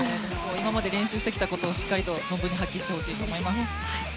今まで練習してきたことをしっかりと発揮してほしいと思います。